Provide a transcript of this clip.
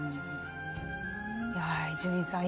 いや伊集院さん